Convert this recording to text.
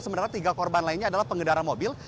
sebenarnya tiga korban lainnya adalah pengendaraan mobil